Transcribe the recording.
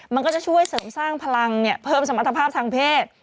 มันก็จะช่วยเสริมสร้างพลังเพิ่มสมรรถภาพทางเพศ